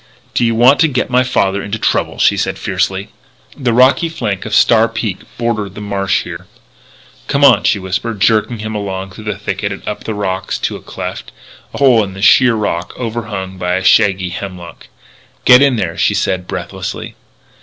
"Do you want to get my father into trouble!" she said fiercely. The rocky flank of Star Peak bordered the marsh here. "Come on," she whispered, jerking him along through the thicket and up the rocks to a cleft a hole in the sheer rock overhung by shaggy hemlock. "Get in there," she said breathlessly.